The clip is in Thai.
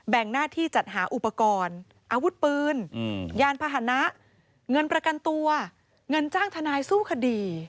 งหน้าที่จัดหาอุปกรณ์อาวุธปืนยานพาหนะเงินประกันตัวเงินจ้างทนายสู้คดี